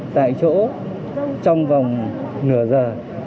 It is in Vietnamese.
tại chỗ trong vòng nửa giờ